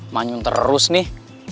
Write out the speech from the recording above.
manyung terus nih